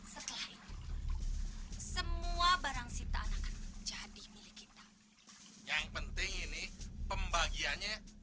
setelah itu semua barang sitaan akan menjadi milik kita yang penting ini pembagiannya